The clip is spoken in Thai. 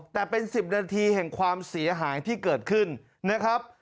แต่เป็น๑๐นาทีแห่งความเสียหายที่เกิดขึ้นนะครับ